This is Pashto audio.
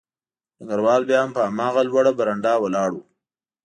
ډګروال بیا هم په هماغه لوړه برنډه ولاړ و